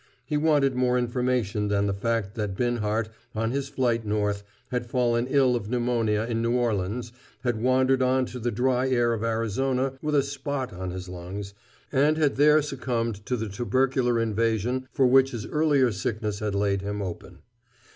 He wanted more information than the fact that Binhart, on his flight north, had fallen ill of pneumonia in New Orleans, had wandered on to the dry air of Arizona with a "spot" on his lungs, and had there succumbed to the tubercular invasion for which his earlier sickness had laid him open.